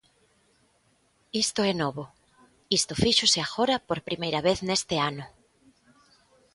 Isto é novo, isto fíxose agora por primeira vez neste ano.